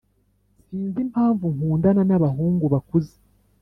sinzi impamvu nkundana nabahungu bakuze